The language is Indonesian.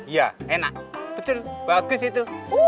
iya enak betul bagus itu